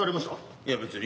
いや別に。